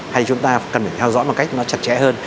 hay chúng ta cần phải theo dõi một cách nó chặt chẽ hơn